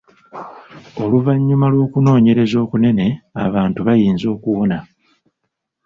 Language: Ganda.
Oluvannyuma lw’okunoonyereza okunene, abantu bayinza okuwona.